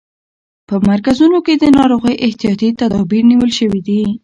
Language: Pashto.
په مرکزونو کې د ناروغۍ احتیاطي تدابیر نیول شوي دي.